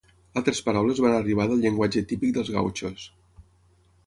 Altres paraules van arribar del llenguatge típic dels gautxos.